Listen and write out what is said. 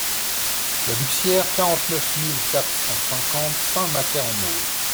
La Buxiere, quarante-neuf mille quatre cent cinquante Saint-Macaire-en-Mauges